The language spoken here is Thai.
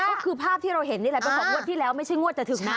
ก็คือภาพที่เราเห็นนี่แหละเป็นของงวดที่แล้วไม่ใช่งวดจะถึงนะ